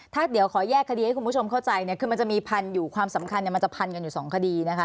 ถ้าเดี๋ยวขอแยกคดีให้คุณผู้ชมเข้าใจเนี่ยคือมันจะมีพันอยู่ความสำคัญมันจะพันกันอยู่สองคดีนะคะ